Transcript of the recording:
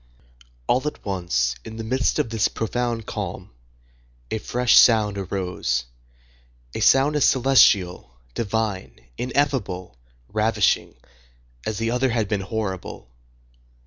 All at once, in the midst of this profound calm, a fresh sound arose; a sound as celestial, divine, ineffable, ravishing, as the other had been horrible.